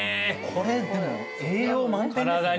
これでも栄養満点ですね。